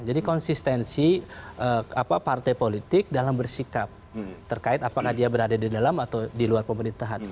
jadi konsistensi partai politik dalam bersikap terkait apakah dia berada di dalam atau di luar pemerintahan